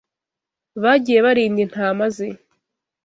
Bagiye barinda intama ze